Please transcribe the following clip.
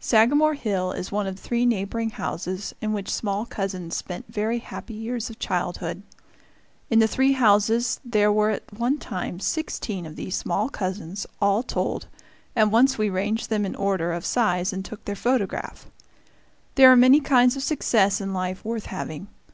Sagamore Hill is one of three neighboring houses in which small cousins spent very happy years of childhood. In the three houses there were at one time sixteen of these small cousins, all told, and once we ranged them in order of size and took their photograph. There are many kinds of success in life worth having.